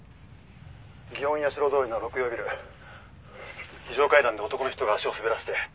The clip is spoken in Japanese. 「園やしろ通りの六葉ビル」「非常階段で男の人が足を滑らせて早く！」